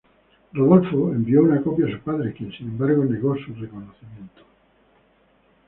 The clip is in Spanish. Rodolfo envió una copia a su padre, quien, sin embargo, negó su reconocimiento.